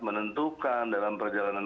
menentukan dalam perjalanan